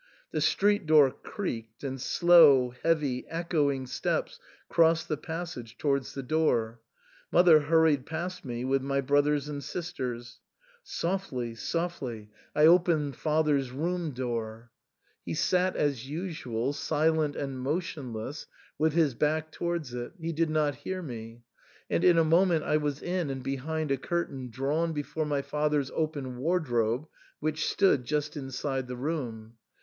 The street door creaked, and slow, heavy, echoing steps crossed the passage towards the stairs. Mother hurried past me with my brothers and sisters. Softly — softly — I opened THE SAND^MAN. 173 father's room door. He sat as usual, silent and motion less, with his back towards it ; he did not hear me ; and in a moment I was in and behind a curtain drawn before my father's open wardrobe, which stood just inside the room.